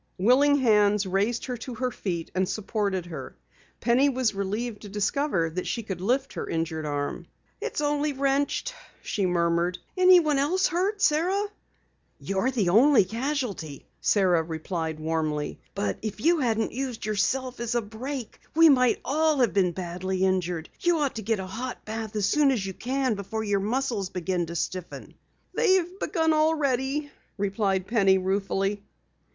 Willing hands raised her to her feet and supported her. Penny was relieved to discover that she could lift her injured arm. "It's only wrenched," she murmured. "Anyone else hurt, Sara?" "You're the only casualty," Sara replied warmly. "But if you hadn't used yourself as a brake we might all have been badly injured. You ought to get a hot bath as quickly as you can before your muscles begin to stiffen." "They've begun already," replied Penny ruefully.